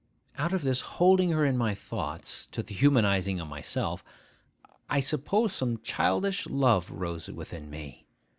Out of this holding her in my thoughts, to the humanising of myself, I suppose some childish love arose within me.